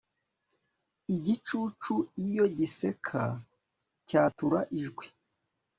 igicucu iyo giseka, cyatura ijwi